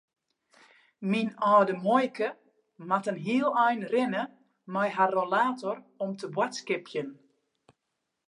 Myn âlde muoike moat in heel ein rinne mei har rollator om te boadskipjen.